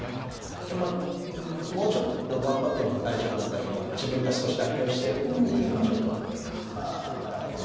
まあもうちょっと頑張っても大丈夫だったけど自分が少し妥協してるのにちょっとまあ妥協。